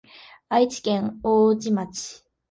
愛知県大治町